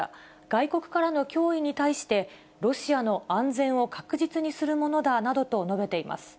外国からの脅威に対して、ロシアの安全を確実にするものだなどと述べています。